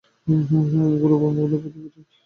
এগুলোয় বঙ্গবন্ধুর প্রতিকৃতি রয়েছে।